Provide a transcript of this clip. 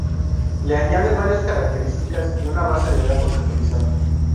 Le añade varias características y una base de datos actualizada.